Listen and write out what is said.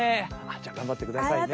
じゃあがんばってくださいね。